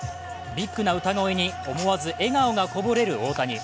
ビッグな歌声に思わず笑顔がこぼれる大谷。